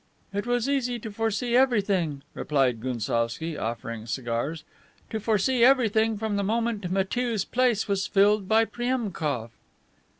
"It was easy to foresee everything," replied Gounsovski, offering cigars, "to foresee everything from the moment Matiew's place was filled by Priemkof."